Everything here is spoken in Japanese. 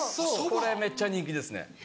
これめっちゃ人気ですね。